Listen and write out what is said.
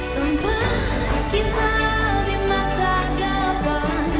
tempat kita dimasak depan